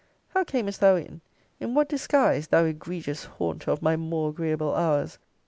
How camest thou in? In what disguise, thou egregious haunter of my more agreeable hours?